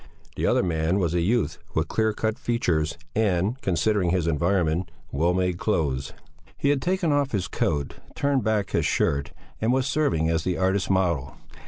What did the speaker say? The other man was a youth with clear cut features and, considering his environment, well made clothes. He had taken off his coat, turned back his shirt and was serving as the artist's model.